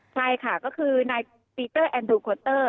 ใช่ค่ะก็คือนายปีเตอร์แอนดูโคตเตอร์